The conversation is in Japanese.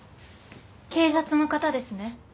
警察の方ですね。